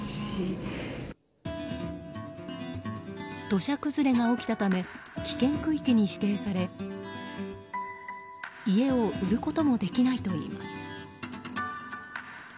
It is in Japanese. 土砂崩れが起きたため危険区域に指定され家を売ることもできないといいます。